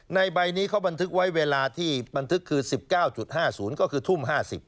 ใบนี้เขาบันทึกไว้เวลาที่บันทึกคือ๑๙๕๐ก็คือทุ่ม๕๐